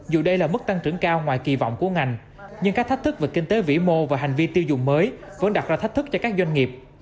dù đây là mức tăng trưởng cao ngoài kỳ vọng của ngành nhưng các thách thức về kinh tế vĩ mô và hành vi tiêu dùng mới vẫn đặt ra thách thức cho các doanh nghiệp